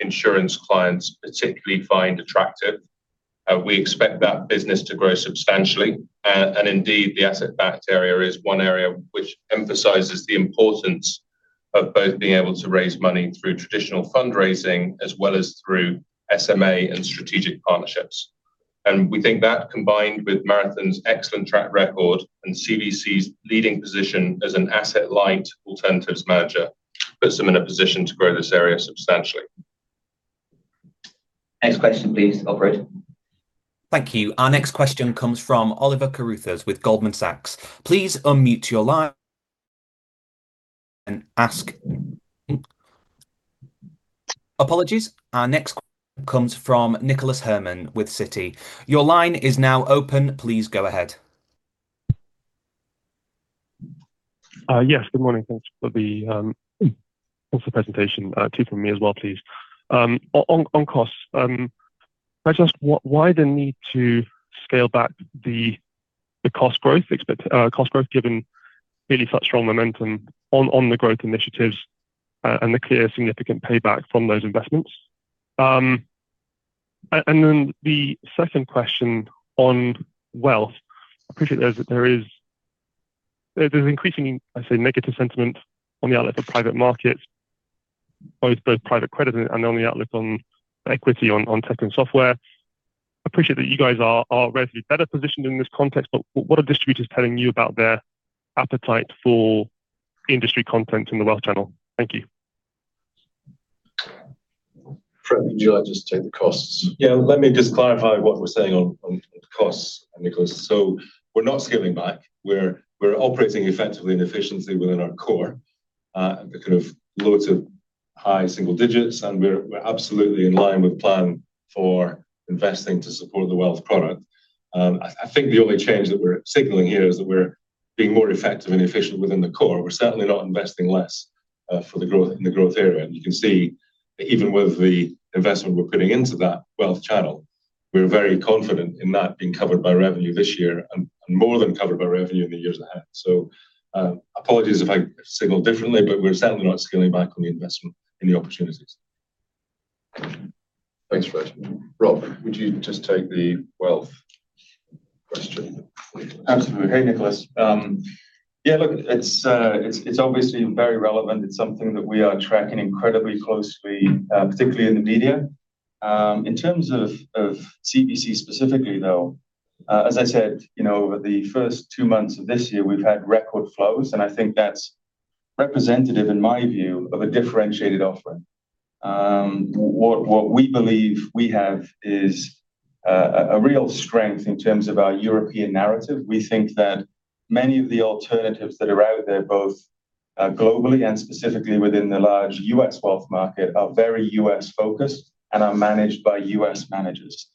insurance clients particularly find attractive. We expect that business to grow substantially. Indeed, the asset-backed area is one area which emphasizes the importance of both being able to raise money through traditional fundraising as well as through SMA and strategic partnerships. We think that combined with Marathon's excellent track record and CVC's leading position as an asset-light alternatives manager puts them in a position to grow this area substantially. Next question, please, Operator. Thank you. Our next question comes from Oliver Carruthers with Goldman Sachs. Apologies. Our next comes from Nicholas Herman with Citi. Your line is now open. Please go ahead. Yes. Good morning. Thanks for the presentation. Two from me as well, please. On costs, why the need to scale back the cost growth given really such strong momentum on the growth initiatives and the clear significant payback from those investments? And then the second question on wealth, I appreciate there's increasing, I'd say, negative sentiment on the outlook for private markets, both private credit and on the outlook on equity on tech and software. I appreciate that you guys are relatively better positioned in this context, but what are distributors telling you about their appetite for industry content in the wealth channel? Thank you. Fred, would you like just to take the costs? Yeah, let me just clarify what we're saying on costs, Nicholas. We're not scaling back. We're operating effectively and efficiently within our core, the kind of low single digits, and we're absolutely in line with plan for investing to support the wealth product. I think the only change that we're signaling here is that we're being more effective and efficient within the core. We're certainly not investing less in the growth area. You can see even with the investment we're putting into that wealth channel, we're very confident in that being covered by revenue this year and more than covered by revenue in the years ahead. Apologies if I signaled differently, but we're certainly not scaling back on the investment in the opportunities. Thanks, Fred. Rob, would you just take the wealth question, please? Absolutely. Hey, Nicholas. Yeah, look, it's obviously very relevant. It's something that we are tracking incredibly closely, particularly in the media. In terms of CVC specifically, though, as I said, you know, over the first two months of this year, we've had record flows, and I think that's representative, in my view, of a differentiated offering. What we believe we have is a real strength in terms of our European narrative. We think that many of the alternatives that are out there, both globally and specifically within the large U.S. wealth market, are very U.S.-focused and are managed by U.S. managers.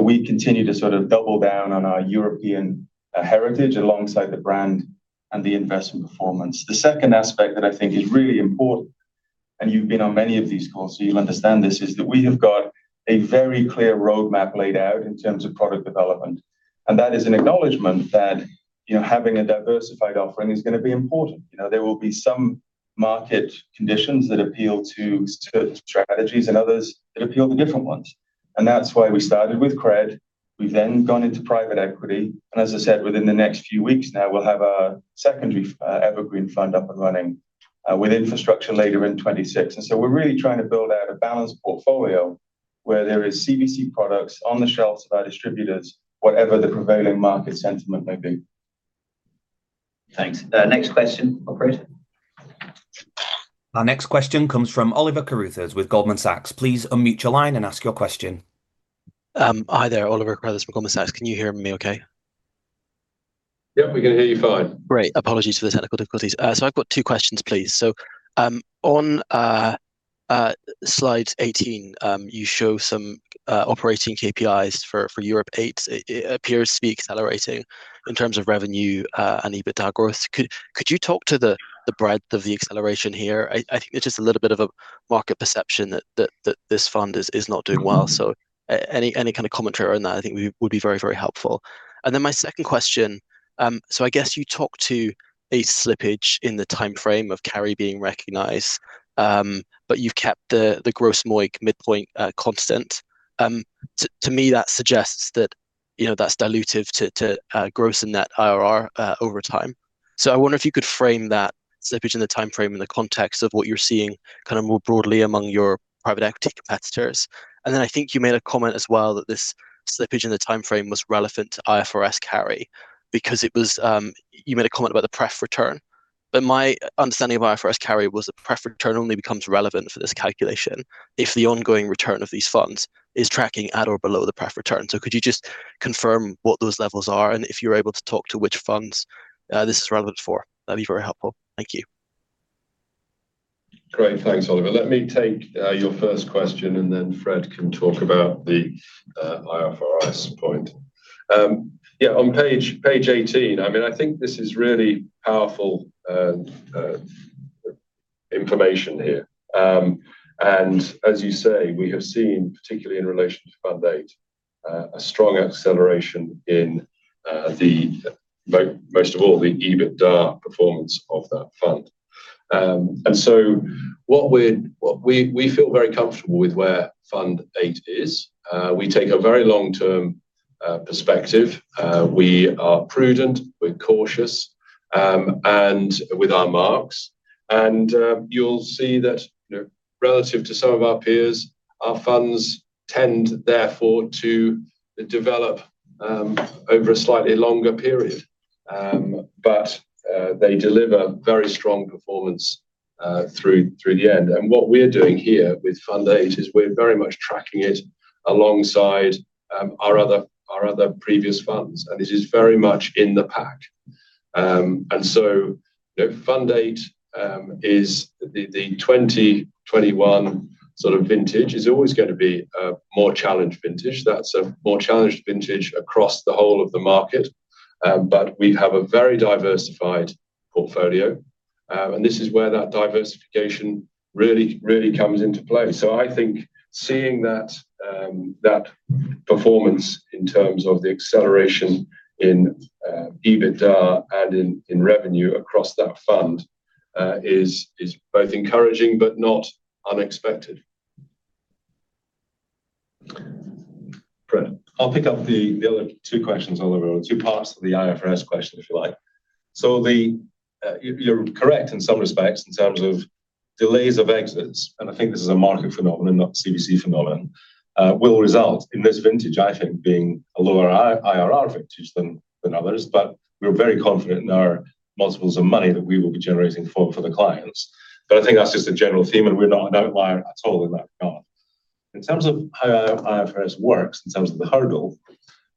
We continue to sort of double down on our European heritage alongside the brand and the investment performance. The second aspect that I think is really important, and you've been on many of these calls, so you'll understand this, is that we have got a very clear roadmap laid out in terms of product development. that is an acknowledgment that, you know, having a diversified offering is gonna be important. You know, there will be some market conditions that appeal to certain strategies and others that appeal to different ones. that's why we started with credit. We've then gone into private equity. as I said, within the next few weeks now, we'll have our secondary evergreen fund up and running, with infrastructure later in 2026. we're really trying to build out a balanced portfolio where there is CVC products on the shelves of our distributors, whatever the prevailing market sentiment may be. Thanks. Next question, Operator. Our next question comes from Oliver Carruthers with Goldman Sachs. Please unmute your line and ask your question. Hi there. Oliver Carruthers with Goldman Sachs. Can you hear me okay? Yep, we can hear you fine. Great. Apologies for the technical difficulties. I've got two questions, please. On slide 18, you show some operating KPIs for Europe VIII. It appears to be accelerating in terms of revenue and EBITDA growth. Could you talk to the breadth of the acceleration here? I think there's just a little bit of a market perception that this fund is not doing well. Any kind of commentary on that I think would be very helpful. And then my second question, I guess you talked to a slippage in the timeframe of carry being recognized, but you've kept the gross MOIC midpoint constant. To me, that suggests that, you know, that's dilutive to gross and net IRR over time. I wonder if you could frame that slippage in the timeframe in the context of what you're seeing kind of more broadly among your private equity competitors. I think you made a comment as well that this slippage in the timeframe was relevant to IFRS carry because it was. You made a comment about the pref return. My understanding of IFRS carry was that pref return only becomes relevant for this calculation if the ongoing return of these funds is tracking at or below the pref return. Could you just confirm what those levels are, and if you're able to talk to which funds this is relevant for? That'd be very helpful. Thank you. Great. Thanks, Oliver. Let me take your first question, and then Fred can talk about the IFRS point. Yeah, on page 18, I mean, I think this is really powerful information here. And as you say, we have seen, particularly in relation to Fund VIII, a strong acceleration in the most of all, the EBITDA performance of that fund. And so we feel very comfortable with where Fund VIII is. We take a very long-term perspective. We are prudent, we're cautious, and with our marks. You'll see that, you know, relative to some of our peers, our funds tend therefore to develop over a slightly longer period. They deliver very strong performance through the end. What we're doing here with Fund VIII is we're very much tracking it alongside our other previous funds, and it is very much in the pack. You know, Fund VIII is the 2021 sort of vintage is always gonna be a more challenged vintage. That's a more challenged vintage across the whole of the market. We have a very diversified portfolio, and this is where that diversification really comes into play. I think seeing that performance in terms of the acceleration in EBITDA and in revenue across that fund is both encouraging but not unexpected. Great. I'll pick up the other two questions, Oliver, or two parts of the IFRS question, if you like. You're correct in some respects in terms of delays of exits, and I think this is a market phenomenon, not CVC phenomenon, will result in this vintage, I think, being a lower IRR vintage than others. We're very confident in our multiples of money that we will be generating for the clients. I think that's just a general theme, and we're not an outlier at all in that regard. In terms of how IFRS works, in terms of the hurdle,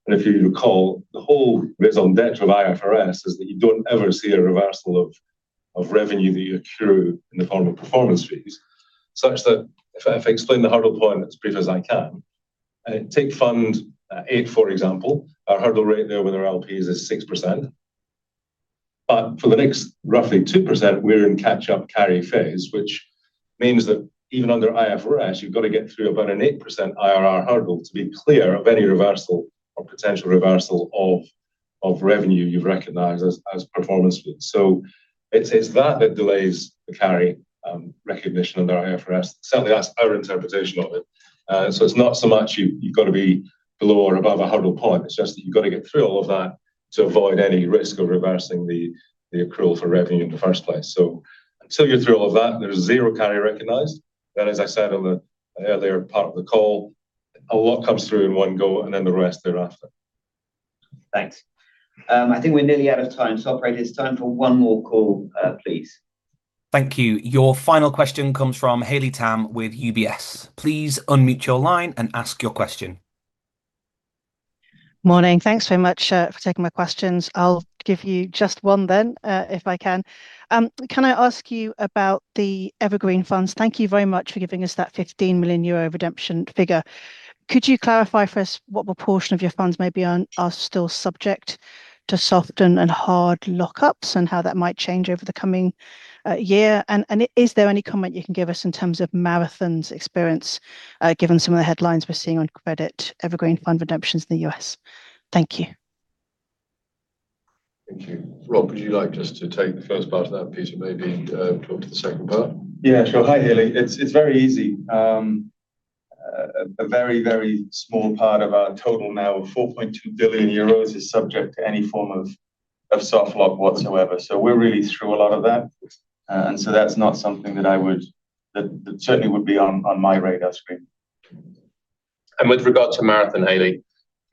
if you recall, the whole raison d'être of IFRS is that you don't ever see a reversal of revenue that you accrue in the form of performance fees, such that if I have to explain the hurdle point as brief as I can, take Fund VIII, for example. Our hurdle rate there with our LPs is 6%. But for the next roughly 2%, we're in catch-up carry phase, which means that even under IFRS, you've gotta get through about an 8% IRR hurdle to be clear of any reversal or potential reversal of revenue you've recognized as performance fees. It's that that delays the carry recognition under IFRS. Certainly, that's our interpretation of it. It's not so much you've gotta be below or above a hurdle point. It's just that you've gotta get through all of that to avoid any risk of reversing the accrual for revenue in the first place. Until you're through all of that, there's zero carry recognized. As I said on the earlier part of the call, a lot comes through in one go, and then the rest thereafter. Thanks. I think we're nearly out of time, so operator, it's time for one more call, please. Thank you. Your final question comes from Haley Tam with UBS. Please unmute your line and ask your question. Morning. Thanks very much for taking my questions. I'll give you just one then, if I can. Can I ask you about the Evergreen funds? Thank you very much for giving us that 15 million euro redemption figure. Could you clarify for us what proportion of your funds maybe are still subject to soft and hard lockups and how that might change over the coming year? Is there any comment you can give us in terms of Marathon's experience, given some of the headlines we're seeing on credit Evergreen fund redemptions in the U.S.? Thank you. Thank you. Rob, would you like just to take the first part of that, Peter, maybe and, talk to the second part? Yeah, sure. Hi, Haley. It's very easy. A very small part of our total now of 4.2 billion euros is subject to any form of soft lock whatsoever. We're really through a lot of that. That's not something that I would. That certainly would be on my radar screen. With regard to Marathon, Haley,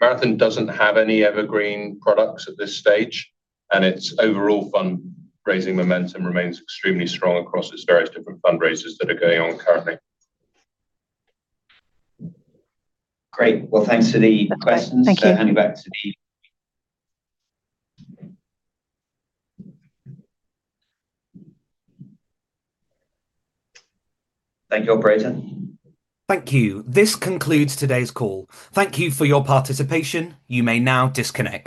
Marathon doesn't have any evergreen products at this stage, and its overall fundraising momentum remains extremely strong across its various different fundraisers that are going on currently. Great. Well, thanks for the questions. That's all right. Thank you. Thank you, Operator. Thank you. This concludes today's call. Thank you for your participation. You may now disconnect.